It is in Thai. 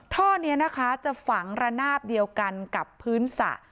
ท่อนี้นะคะจะฝังระนาบเดียวกันกับพื้นสระ